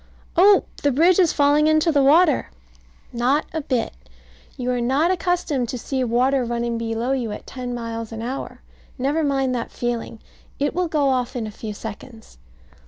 Oh, the bridge is falling into the water! Not a bit. You are not accustomed to see water running below you at ten miles an hour. Never mind that feeling. It will go off in a few seconds.